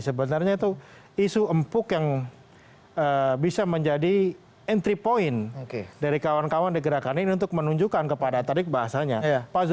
sebenarnya itu isu empuk yang bisa menjadi entry point dari kawan kawan di gerakan ini untuk menunjukkan kepada tadi bahasanya